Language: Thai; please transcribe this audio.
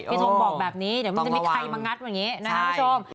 ทงบอกแบบนี้เดี๋ยวมันจะมีใครมางัดอย่างนี้นะครับคุณผู้ชม